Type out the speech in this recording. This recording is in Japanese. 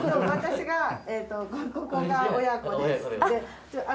私がここが親子です。